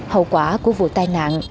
hậu quả của vụ tai nạn